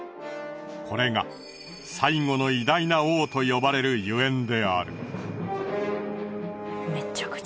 これが「最後の偉大な王」と呼ばれるゆえんである。